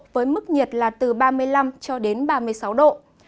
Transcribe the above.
với mức nhiệt là từ ba mươi năm ba mươi sáu độ